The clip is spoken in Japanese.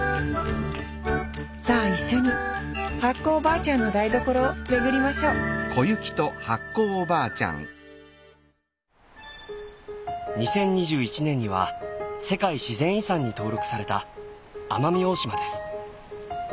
さあ一緒に発酵おばあちゃんの台所を巡りましょう２０２１年には世界自然遺産に登録された奄美大島です。